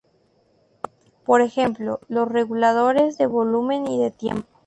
Por ejemplo los "reguladores" de volumen y de tiempo.